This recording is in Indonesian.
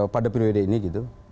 pada periode ini gitu